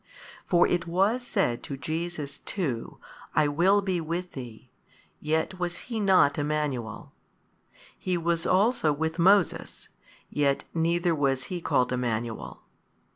For it was said to Jesus too, I |192 will be with thee, yet was he not Emmanuel; He was also with Moses, yet neither was he called Emmanuel.